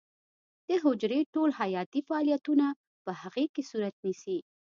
د حجرې ټول حیاتي فعالیتونه په هغې کې صورت نیسي.